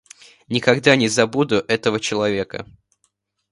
Никогда не забуду этого человека.